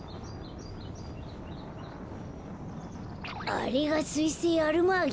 あれがすいせいアルマーゲか。